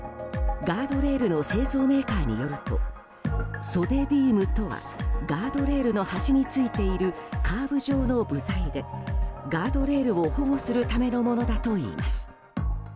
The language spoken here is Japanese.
ガードレールの製造メーカーによると袖ビームとはガードレールの端についているカーブ状の部材でガードレールを保護するためのものだといいます。